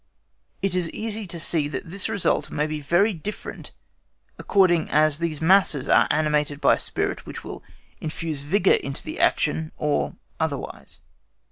It is easy to see that thus the result may be very different according as these masses are animated with a spirit which will infuse vigour into the action or otherwise.